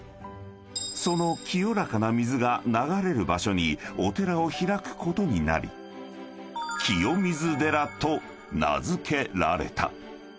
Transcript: ［その清らかな水が流れる場所にお寺を開くことになり清水寺と名付けられた］